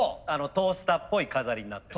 トースターっぽい飾りになって。